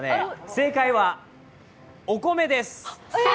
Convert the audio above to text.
正解は、お米です。